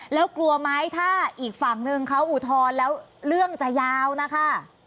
แล้วกลัวไหมถ้าอีกฝั่งนึงเขาอุทธรณ์แล้วเรื่องจะยาวนะคะ